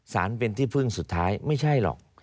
สารเป็นที่พึ่งสุดท้ายไม่ใช่หรอก